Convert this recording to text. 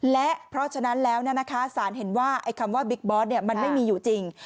และเพราะฉะนั้นแล้วสารเห็นว่าคำว่าบิ๊กบอสมันไม่มีอยู่จริง